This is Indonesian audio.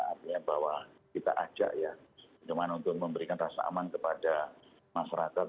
artinya bahwa kita ajak ya cuma untuk memberikan rasa aman kepada masyarakat